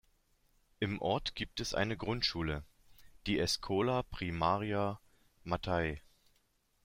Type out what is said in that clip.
Im Ort gibt es eine Grundschule, die "Escola Primaria Matai".